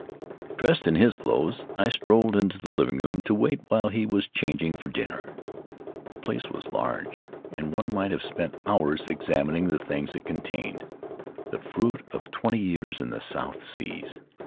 Dressed in his clothes, I strolled into the living room to wait while he was changing for dinner. The place was large, and one might have spent hours examining the things it contained — the fruit of twenty years in the South Seas.